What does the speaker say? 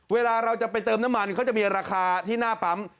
เวลาเราจะไปเติมน้ำมันเขาจะมีราคาที่หน้าปั๊ม